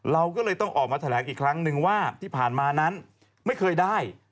เราก็เลยต้องออกมาแถลงอีกครั้งนึงว่าที่ผ่านมานั้นไม่เคยได้